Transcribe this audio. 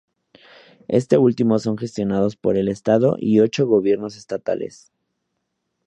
Estos últimos son gestionados por el estado y ocho gobiernos estatales.